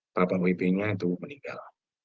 berapa wp nya itu meninggal